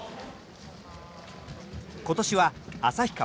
今年は旭川